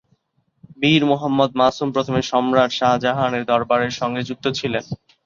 মীর মুহাম্মদ মাসুম প্রথমে সম্রাট শাহজাহানের দরবারের সঙ্গে যুক্ত ছিলেন।